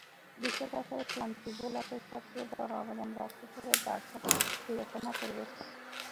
বিশ্বকাপের ক্লান্তি ভোলাতে সবচেয়ে বড় অবদান রাখতে পারে বার্সার চিরচেনা পরিবেশ।